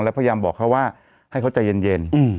แล้วพยายามบอกเขาว่าให้เขาใจเย็น